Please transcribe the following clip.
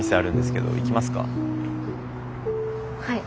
はい。